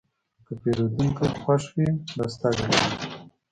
که پیرودونکی خوښ وي، دا ستا ګټه ده.